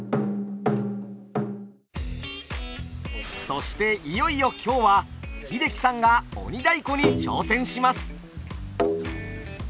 そしていよいよ今日は英樹さんが鬼太鼓に挑戦します。